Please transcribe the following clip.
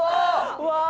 うわ。